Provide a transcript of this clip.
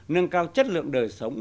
nâng cao chất lượng đời sống